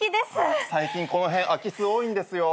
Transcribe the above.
最近この辺空き巣多いんですよ。